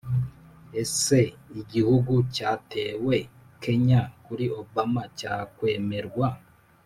ese igihugu cyatewe, kenya kuri obama, cyakwemererwa